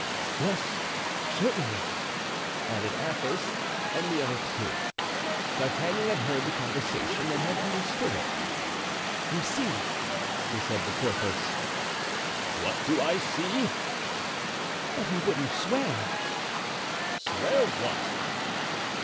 "Yes, certainly," added Athos and the other two. D'Artagnan had heard the conversation and had understood it. "You see?" he said to Porthos. "What do I see?" "That he wouldn't swear." "Swear what?"